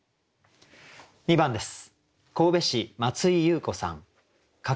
２番です。